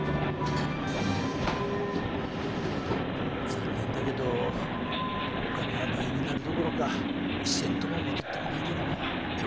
残念だけどお金は倍になるどころか１セントも戻ってこないだろうな。